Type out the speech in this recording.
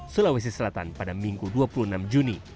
sulawesi selatan pada minggu dua puluh enam juni